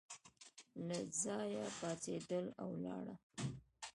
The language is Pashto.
له ځایه پاڅېده او ولاړه.